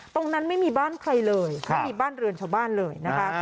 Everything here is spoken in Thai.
ตรงนั้นไม่มีบ้านใครเลยเขาไม่มีบ้านเรือนชาวบ้านเลยนะฮะ